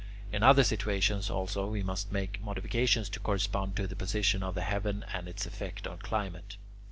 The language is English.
In other situations, also, we must make modifications to correspond to the position of the heaven and its effects on climate.